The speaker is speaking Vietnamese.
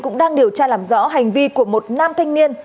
cũng đang điều tra làm rõ hành vi của một nam thanh niên